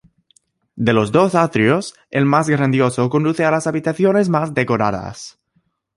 De los dos atrios, el más grandioso conduce a las habitaciones más decoradas.